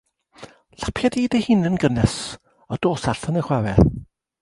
Lapia di dy hun yn gynnes a dos allan i chwarae.